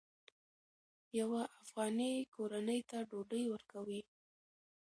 یوه افغاني کورنۍ ته ډوډۍ ورکوئ.